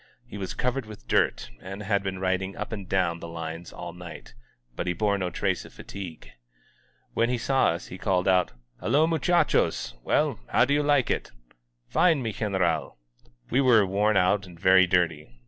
He was covered with dirt, and had been riding up and down the lines all night; but he bore no trace of fatigue. When he saw us he called out, "Hello, muchachosi Well, how do you like it.'^" "Fine, mi Generair We were worn out and very dirty.